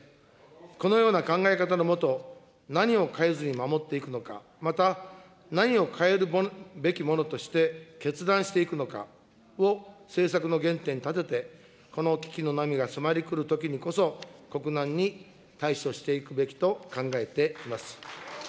このような考え方の下、何を変えずに守っていくのか、また、何を変えるべきものとして決断していくのかを政策の原点に立てて、この危機の波が迫り来るときにこそ、国難に対処していくべきと考えています。